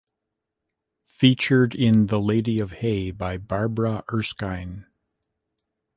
Featured in 'The Lady of Hay' by Barbara Erskine.